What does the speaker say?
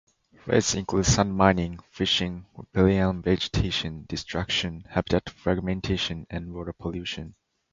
Threats include sand mining, fishing, riparian vegetation destruction, habitat fragmentation, and water pollution.